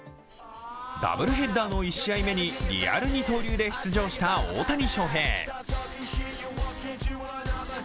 ダブルヘッダーの１試合目にリアル二刀流で出場した大谷翔平。